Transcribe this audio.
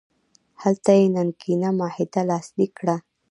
هلته یې ننګینه معاهده لاسلیک کړه.